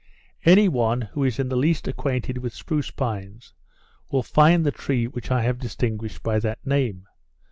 Any one, who is in the least acquainted with spruce pines, will find the tree which I have distinguished by that name.